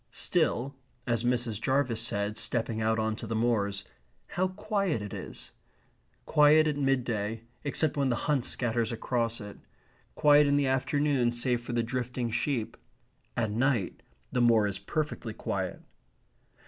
Still, as Mrs. Jarvis said, stepping out on to the moors, "How quiet it is!" Quiet at midday, except when the hunt scatters across it; quiet in the afternoon, save for the drifting sheep; at night the moor is perfectly quiet.